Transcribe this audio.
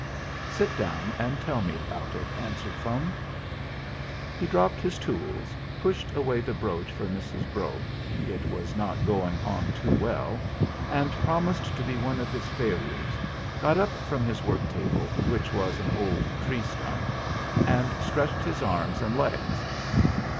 "Sit down and tell me about it," answered Fum. He dropped his tools, pushed away the brooch for Mrs. Brok it was not going on too well, and promised to be one of his failures got up from his work table, which was an old tree stump, and stretched his arms and legs.